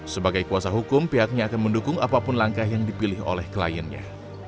sebagai kuasa hukum pihaknya akan mendukung apapun langkah yang dipilih oleh kliennya